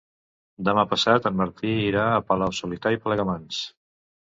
Demà passat en Martí irà a Palau-solità i Plegamans.